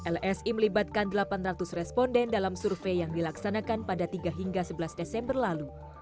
lsi melibatkan delapan ratus responden dalam survei yang dilaksanakan pada tiga hingga sebelas desember lalu